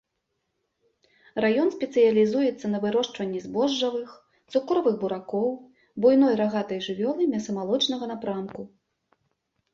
Раён спецыялізуецца на вырошчванні збожжавых, цукровых буракоў, буйной рагатай жывёлы мяса-малочнага напрамку.